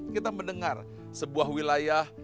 kita mendengar sebuah wilayah